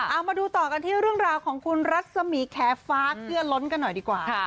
เอามาดูต่อกันที่เรื่องราวของคุณรัศมีแคฟ้าเกลือล้นกันหน่อยดีกว่า